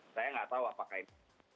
saya nggak tahu apakah itu